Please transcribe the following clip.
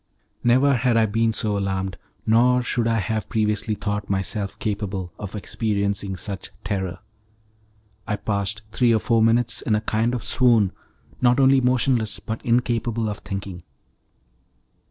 Never had I been so alarmed, nor should I have previously thought myself capable of experiencing such terror. I passed three or four minutes in a kind of swoon, not only motionless but incapable of thinking.